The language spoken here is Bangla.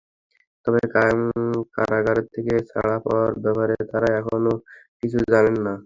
তবে কারাগার থেকে ছাড়া পাওয়ার ব্যাপারে তাঁরা এখনো কিছু জানেন না।